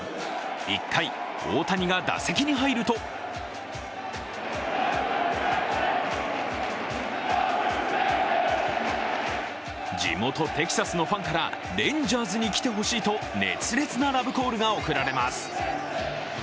１回、大谷が打席に入ると地元・テキサスのファンからレンジャーズに来てほしいと熱烈なラブコールが送られます。